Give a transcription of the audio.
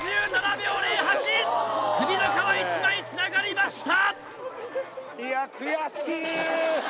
首の皮一枚つながりました！